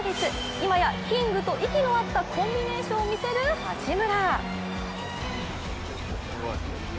今やＫＩＮＧと息の合ったコンビネーションを見せる八村。